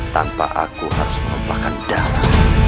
tanpa aku harus menumpahkan darah